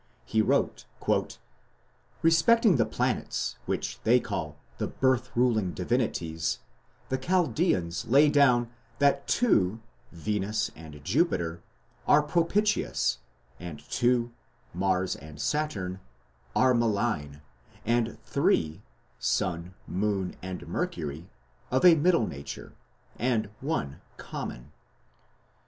"Respecting the planets, which they call the birth ruling divinities, the Chaldeans", he wrote, "lay down that two (Venus and Jupiter) are propitious, and two (Mars and Saturn) malign, and three (Sun, Moon, and Mercury) of a middle nature, and one common."